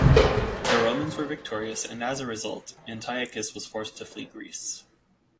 The Romans were victorious, and as a result, Antiochus was forced to flee Greece.